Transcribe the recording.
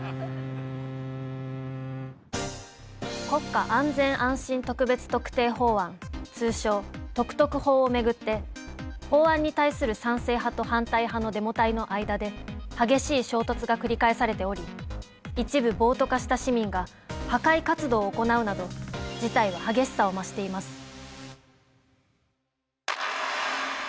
「国家安全安心特別特定法案」通称「特々法」をめぐって法案に対する賛成派と反対派のデモ隊の間で激しい衝突が繰り返されており一部暴徒化した市民が破壊活動を行うなど事態は激しさを増しています。